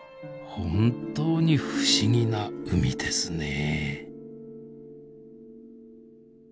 本当に不思議な海ですねえ。